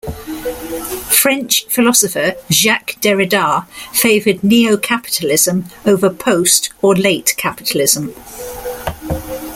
French philosopher Jacques Derrida favoured "neo-capitalism" over "post-" or "late-capitalism".